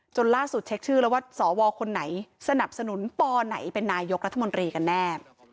ล่าสุดเช็คชื่อแล้วว่าสวคนไหนสนับสนุนปไหนเป็นนายกรัฐมนตรีกันแน่